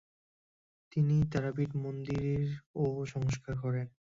তিনি তারাপীঠ মন্দিরের ও সংস্কার করেন।